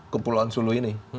kepulauan sulu ini